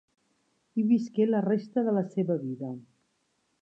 Hi visqué la resta de la seva vida.